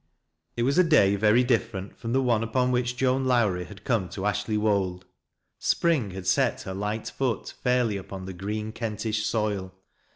It was a day very different from the ope upon which Joan Lowrie had come to Ashley Wold. Spring had set her light foot fairly upon the green Kentish soil.